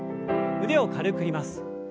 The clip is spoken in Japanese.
腕を軽く振ります。